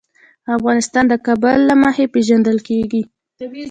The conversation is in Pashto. افغانستان د کابل له مخې پېژندل کېږي.